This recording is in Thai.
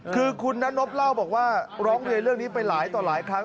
คือคุณนบเล่าบอกว่าร้องเรียนเรื่องนี้ไปหลายต่อหลายครั้ง